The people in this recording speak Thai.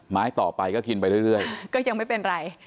ต่อไปก็กินไปเรื่อยก็ยังไม่เป็นไร